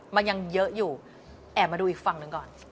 มันยังเยอะอยู่แอบมาดูอีกฝั่งหนึ่งก่อน